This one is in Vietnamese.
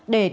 để đảm bảo